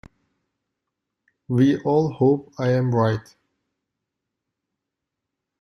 We all hope I am right.